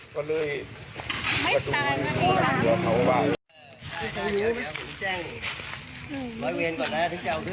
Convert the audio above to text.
เป็นมีค่ะ